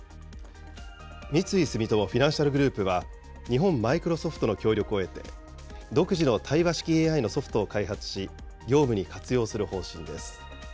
三井住友フィナンシャルグループは、日本マイクロソフトの協力を得て、独自の対話式ＡＩのソフトを開発し、業務に活用する方針です。